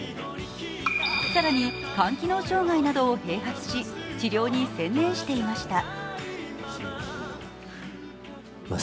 更に肝機能障害などを併発し治療に専念していました。